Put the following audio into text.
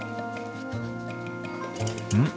うん？